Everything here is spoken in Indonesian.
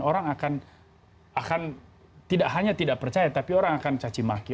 orang akan tidak hanya tidak percaya tapi orang akan cacimaki